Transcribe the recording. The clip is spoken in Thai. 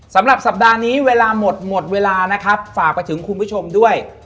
สำหรับสัปดาห์นี้เวลาหมดหมดเวลานะครับฝากไปถึงคุณผู้ชมด้วย